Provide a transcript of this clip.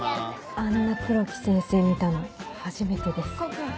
あんな黒木先生見たの初めてです。